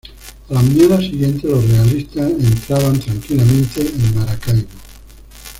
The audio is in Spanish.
A la mañana siguiente los realistas, entraban tranquilamente en Maracaibo.